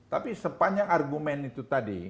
tapi sepanjang argumen itu tadi